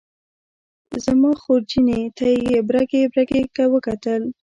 زما خورجینې ته یې برګې برګې وکتل.